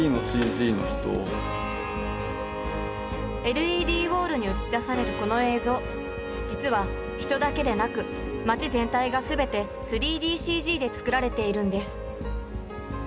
ＬＥＤウォールに映し出されるこの映像実は人だけでなく町全体が全て３ＤＣＧで作られているんです